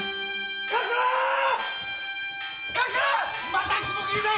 また雲切だ！